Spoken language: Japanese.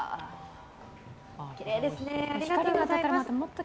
きれいですね。